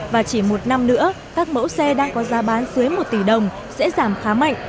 và chỉ một năm nữa các mẫu xe đang có giá bán dưới một tỷ đồng sẽ giảm khá mạnh